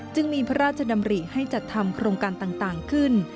จึงมีพระราชดำริให้จัดทำโครงการต่างขึ้น